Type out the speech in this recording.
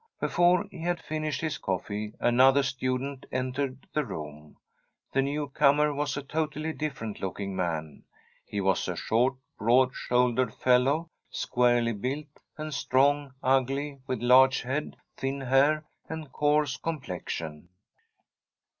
Before he had finished his coffee another stu dent entered the room. The new comer was a From a Sff^EDISH HOMESTEAD • totally different looking man. He was a short, broad shouldered fellow, squarely built and strong, ugly, with a large head, thin hair, and coarse complexion.